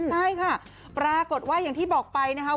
ใช่ค่ะปรากฏว่าอย่างที่บอกไปนะคะ